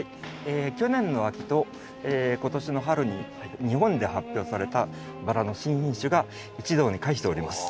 去年の秋と今年の春に日本で発表されたバラの新品種が一堂に会しております。